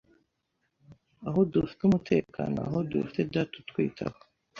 aho dufite umutekano, aho dufite Data utwitaho